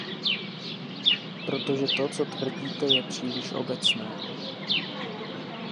Protože to, co tvrdíte, je příliš obecné.